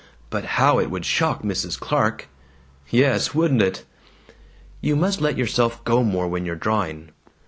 But how it would shock Mrs. Clark!" "Yes, wouldn't it!" "You must let yourself go more when you're drawing."